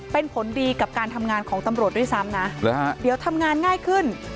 เป็นผลดีกับการทำงานของตำรวจด้วยซ้ำนะเดี๋ยวทำงานง่ายขึ้น